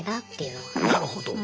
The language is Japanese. なるほど。